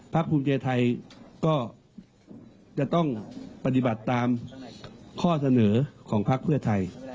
ภูมิใจไทยก็จะต้องปฏิบัติตามข้อเสนอของพักเพื่อไทย